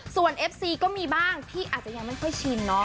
ส่วนเอฟซีก็มีบ้างที่อาจจะยังไม่ค่อยชินเนาะ